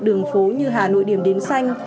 đường phố như hà nội điểm đến xanh